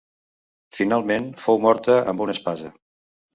Finalment, fou morta amb una espasa.